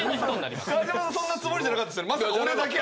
川島さんそんなつもりじゃなかったんですよね。